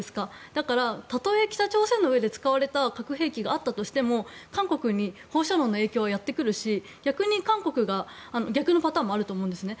だから、たとえ北朝鮮に使われた核兵器があったとしても、韓国に放射能の影響はやってくるし逆のパターンもあると思うんですね。